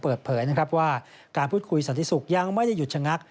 เปิดเผยว่าการพูดคุยสรรทิสุักกรรมยังไม่ได้หยุดชั้นนัก